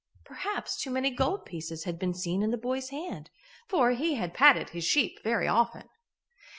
Perhaps too many gold pieces had been seen in the boy's hand, for he had patted his sheep very often.